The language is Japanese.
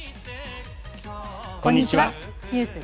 こんにちは。